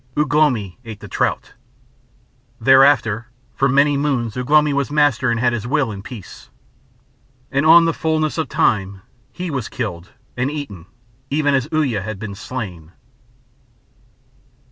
Ugh lomi ate the trout. Thereafter for many moons Ugh lomi was master and had his will in peace. And on the fulness of time he was killed and eaten even as Uya had been slain.